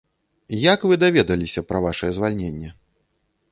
Як вы даведаліся пра вашае звальненне?